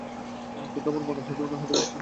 কিন্তু আমার মনে হয় না ওনার হাতে বেশি সময় আছে।